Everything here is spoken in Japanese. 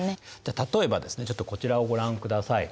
例えばですねちょっとこちらをご覧ください。